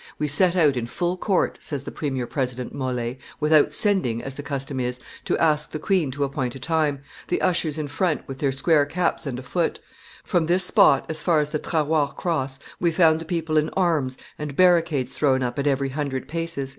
"We set out in full court," says the premier president Mole, "without sending, as the custom is, to ask the queen to appoint a time, the ushers in front, with their square caps and a foot: from this spot as far as the Trahoir cross we found the people in arms and barricades thrown up at every hundred paces."